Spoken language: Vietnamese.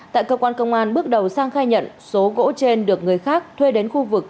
tại cơ quan công an bước đầu sang khai nhận số gỗ trên được người khác thuê đến khu vực